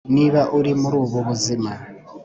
Niba ari muri ubu buzima